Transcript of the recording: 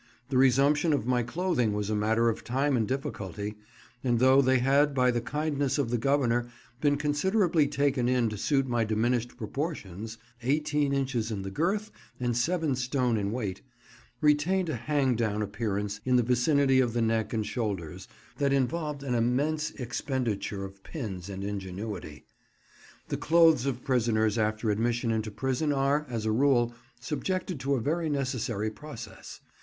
The resumption of my clothing was a matter of time and difficulty; and though they had, by the kindness of the Governor, been considerably taken in to suit my diminished proportions (eighteen inches in the girth and seven stone in weight), retained a hang down appearance in the vicinity of the neck and shoulders, that involved an immense expenditure of pins and ingenuity. The clothes of prisoners after admission into prison are, as a rule, subjected to a very necessary process.